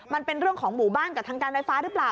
มันเป็นเรื่องของหมู่บ้านกับทางการไฟฟ้าหรือเปล่า